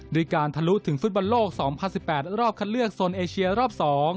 ด้วยการทะลุถึงฟุตบอลโลก๒๐๑๘รอบคัดเลือกโซนเอเชียรอบ๒